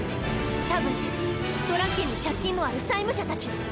多分ドラッケンに借金のある債務者たち。